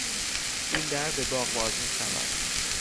این در به باغ باز میشود.